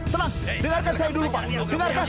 tenang dengarkan saya dulu pak